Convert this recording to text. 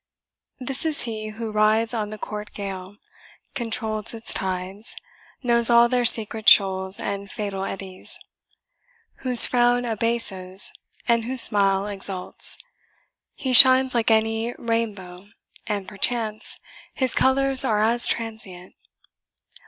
"This is he Who rides on the court gale; controls its tides; Knows all their secret shoals and fatal eddies; Whose frown abases, and whose smile exalts. He shines like any rainbow and, perchance, His colours are as transient."